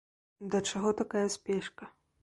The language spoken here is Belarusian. Да чаго такая спешка?